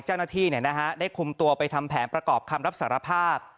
เจ้าหน้าที่ได้คุมตัวไปทำแผนประกอบคำรับสารภาพ